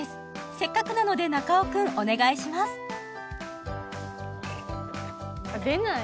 せっかくなので中尾君お願いします出ない？